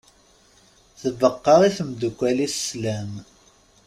Tbeqqa i temddukal-is slam.